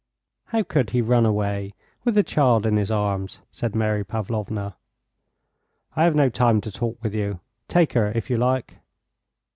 "How could he run away with the child in his arms?" said Mary Pavlovna. "I have no time to talk with you. Take her if you like."